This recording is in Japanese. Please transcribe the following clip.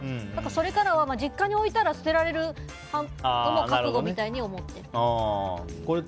それから実家に置いたら捨てられる覚悟みたく思ってる。